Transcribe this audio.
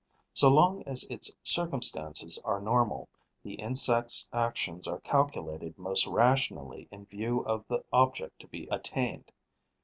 So long as its circumstances are normal, the insect's actions are calculated most rationally in view of the object to be attained.